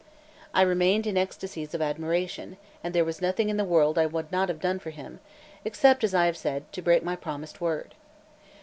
I remained in ecstasies of admiration; and there was nothing in the world I would not have done for him, except, as I have said, to break my promised word.